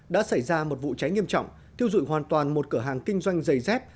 đã xảy ra một vụ cháy nghiêm trọng thiêu dụng hoàn toàn một cửa hàng kinh doanh dây dép